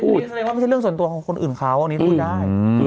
แล้วนี่คือไม่ใช่เรื่องสันตัวของเขาอันนี้พูดได้